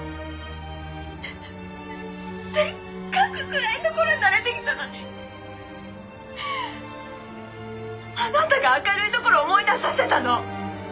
せっかく暗いところに慣れてきたのにあなたが明るいところを思い出させたの！